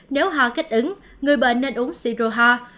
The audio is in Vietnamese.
nếu hoa kích ứng người bệnh nên uống sirohoa